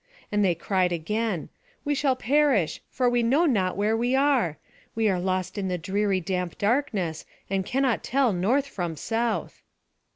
And they cried again: "We shall perish, for we know not where we are. We are lost in the dreary damp darkness, and cannot tell north from south."